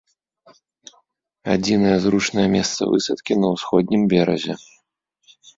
Адзінае зручнае месца высадкі на ўсходнім беразе.